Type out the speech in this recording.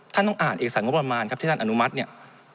ท่านต้องอ่านเอกสารงบประมาณครับที่ท่านอนุมัติเนี่ย